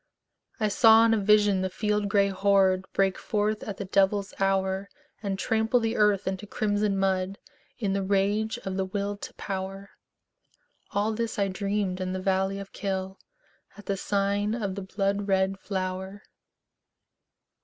I saw in a vision the field gray horde Break forth at the devil's hour, And trample the earth into crimson mud In the rage of the Will to Power, All this I dreamed in the valley of Kyll, At the sign of the blood red flower.